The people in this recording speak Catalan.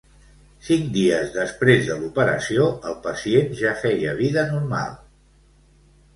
Cinc dies després de l'operació, el pacient ja feia vida normal.